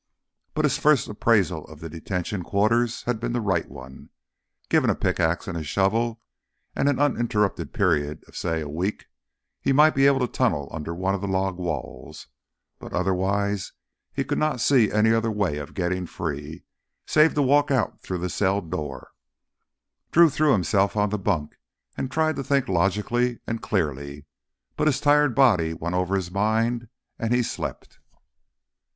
But his first appraisal of the detention quarters had been the right one. Given a pickax and a shovel, and an uninterrupted period of, say, a week, he might be able to tunnel under one of the log walls. But otherwise he could not see any other way of getting free—save to walk out through the cell door. Drew threw himself on the bunk and tried to think logically and clearly, but his tired body won over his mind and he slept.